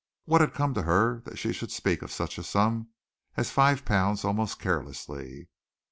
What had come to her that she should speak of such a sum as five pounds almost carelessly!